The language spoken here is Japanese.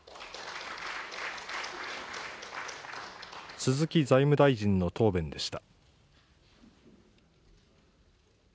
鈴木財務大臣の答弁でした。